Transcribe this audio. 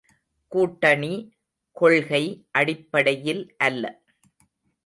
கூட்டணி, கொள்கை அடிப்படையில் அல்ல.